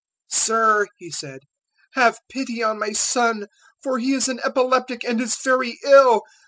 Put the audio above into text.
017:015 "Sir," he said, "have pity on my son, for he is an epileptic and is very ill.